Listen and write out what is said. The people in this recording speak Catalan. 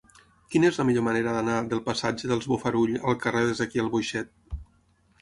Quina és la millor manera d'anar del passatge dels Bofarull al carrer d'Ezequiel Boixet?